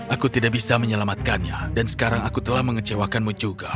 aku tidak bisa menyelamatkannya dan sekarang aku telah mengecewakanmu juga